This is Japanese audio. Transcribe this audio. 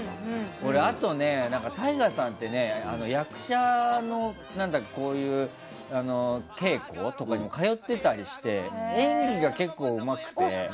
あと、ＴＡＩＧＡさんって役者の稽古とかにも通っていたりして演技が結構うまくて。